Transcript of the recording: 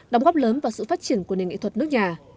đóng góp lớn vào sự phát triển của nền nghệ thuật nước nhà